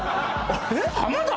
浜田！？